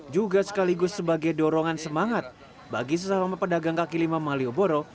juga sekaligus sebagai dorongan semangat bagi sesama pedagang kaki lima malioboro